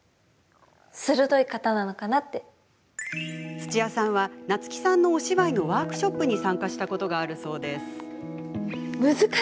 土屋さんは、夏木さんのお芝居のワークショップに参加したことがあるそうです。